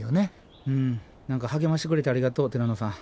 何か励ましてくれてありがとうティラノさん。